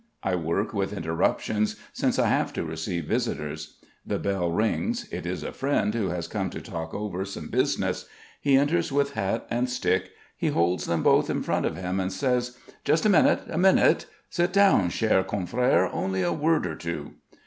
I work with interruptions, since I have to receive visitors. The bell rings. It is a friend who has come to talk over some business. He enters with hat and stick. He holds them both in front of him and says: "Just a minute, a minute. Sit down, cher confrère. Only a word or two."